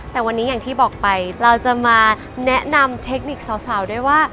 แต่วันนี้อย่างที่บอกไปเราจะมาแนะนำเทคนิคสาวด้วยว่า